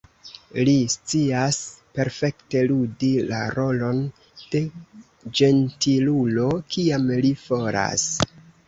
Li scias perfekte ludi la rolon de ĝentilulo, kiam li volas.